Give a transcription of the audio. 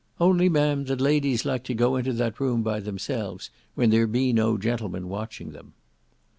"Only, ma'am, that ladies like to go into that room by themselves, when there be no gentlemen watching them."